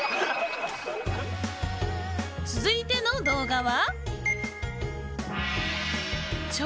続いての動画は。